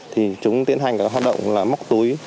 thì chúng tiến hành các hoạt động là móc túi